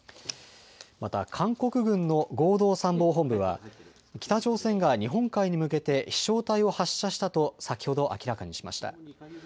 また韓国軍の合同参謀本部は北朝鮮が日本海に向けて飛しょう体を発射したと先ほど明らかにしました。